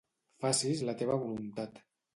Faci's la teva voluntat.